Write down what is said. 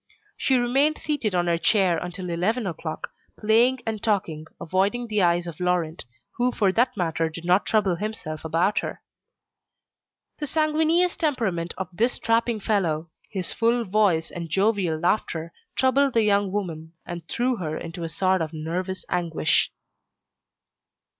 She remained seated on her chair until eleven o'clock, playing and talking, avoiding the eyes of Laurent, who for that matter did not trouble himself about her. The sanguineous temperament of this strapping fellow, his full voice and jovial laughter, troubled the young woman and threw her into a sort of nervous anguish.